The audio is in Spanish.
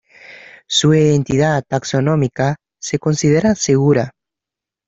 Su identidad taxonómica se considera segura.